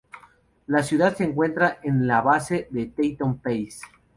La ciudad se encuentra en la base de Teton Pass.